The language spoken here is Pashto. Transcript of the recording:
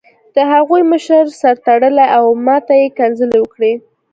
د هغوی مشر سر تړلی و او ماته یې کنځلې وکړې